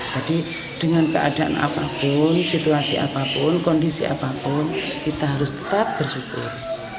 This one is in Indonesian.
jadi dengan keadaan apapun situasi apapun kondisi apapun kita harus tetap bersyukur